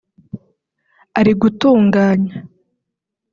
ari gutunganya